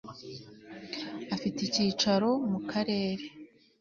afite icyicaro mu karere